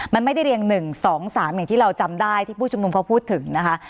มันไม่ได้เรียง๑๒๓อย่างที่เราจำได้ที่ผู้ชุมนุมเขาพูดถึงนะคะ